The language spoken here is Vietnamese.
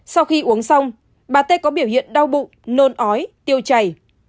sau khi uống xong bà tê có biểu hiện đau bụng nôn ói tiêu chảy